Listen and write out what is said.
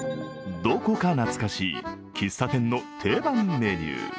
どこか懐かしい喫茶店の定番メニュー。